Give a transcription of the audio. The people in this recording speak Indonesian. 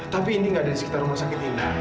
tapi indi nggak ada di sekitar rumah sakit indah